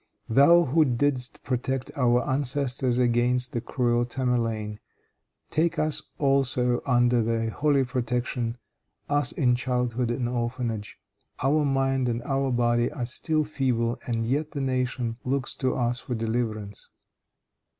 thou who didst protect our ancestors against the cruel Tamerlane, take us also under thy holy protection us in childhood and orphanage. Our mind and our body are still feeble, and yet the nation looks to us for deliverance."